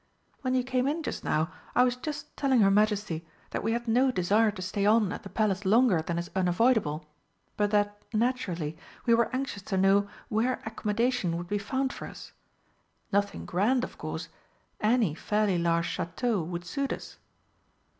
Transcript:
When you came in just now, I was just telling her Majesty that we had no desire to stay on at the Palace longer than is unavoidable, but that, naturally, we were anxious to know where accommodation would be found for us nothing grand, of course, any fairly large château would suit us."